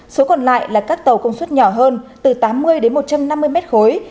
số còn lại là các tàu công suất nhỏ hơn từ tám mươi đến một trăm năm mươi mét khối